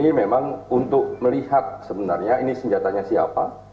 hal tersebut adalah untuk melihat sebenarnya ini senjatanya siapa